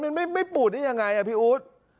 เนี่ยยังไม่ปูดนี่ยังไงฮะพี่อุ๊ต